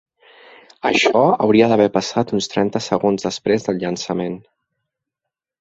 Això hauria d"haver passat uns trenta segons després del llançament.